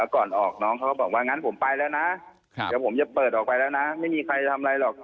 ก่อนออกน้องเขาก็บอกว่างั้นผมไปแล้วนะเดี๋ยวผมจะเปิดออกไปแล้วนะไม่มีใครทำอะไรหรอก